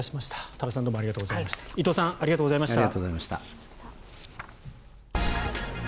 多田さん、伊藤さんありがとうございました。